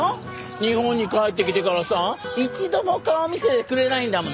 日本に帰ってきてからさ一度も顔見せてくれないんだもの。